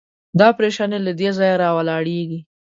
دا پرېشاني له دې ځایه راولاړېږي.